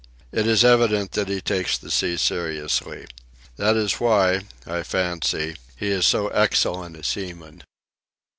It is evident that he takes the sea seriously. That is why, I fancy, he is so excellent a seaman.